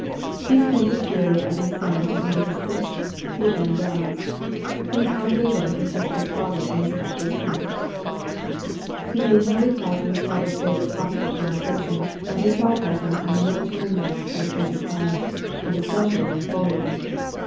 He squinted cheerily at his sop from under his thick, beetling brows. Prince Andrei went and kissed his father on the spot designated. He made WAR AND PEACE. 115 no reply to his father's favorite topic of conversation and his sarcasms ou the military men of the present time and especially on Napoleon.